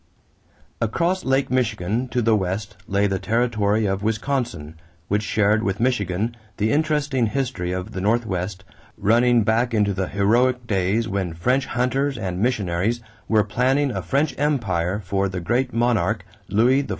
= Across Lake Michigan to the west lay the territory of Wisconsin, which shared with Michigan the interesting history of the Northwest, running back into the heroic days when French hunters and missionaries were planning a French empire for the great monarch, Louis XIV.